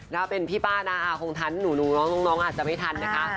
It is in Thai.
ถ้าเป็นพี่ป้านะคงทันหนูน้องอาจจะไม่ทันนะคะ